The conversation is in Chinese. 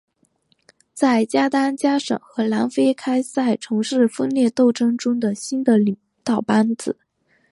在加丹加省和南非开赛从事分裂斗争中的新的领导班子。